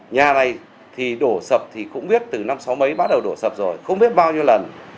nhà này thì đổ sập thì cũng biết từ năm sáu mấy bắt đầu đổ sập rồi không biết bao nhiêu lần